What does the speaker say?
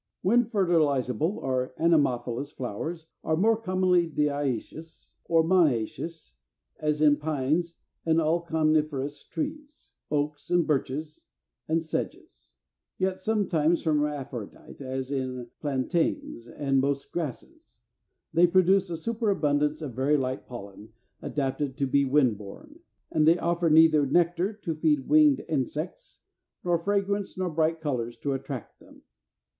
334. =Wind fertilizable or Anemophilous= flowers are more commonly diœcious or monœcious, as in Pines and all coniferous trees, Oaks, and Birches, and Sedges; yet sometimes hermaphrodite, as in Plantains and most Grasses; they produce a superabundance of very light pollen, adapted to be wind borne; and they offer neither nectar to feed winged insects, nor fragrance nor bright colors to attract them.